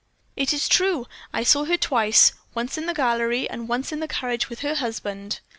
"'It is true. I saw her twice, once in the gallery, and once in the carriage with her husband.'